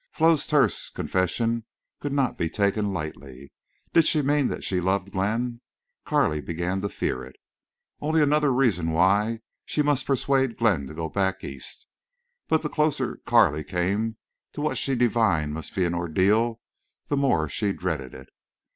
Flo's terse confession could not be taken lightly. Did she mean that she loved Glenn? Carley began to fear it. Only another reason why she must persuade Glenn to go back East! But the closer Carley came to what she divined must be an ordeal the more she dreaded it.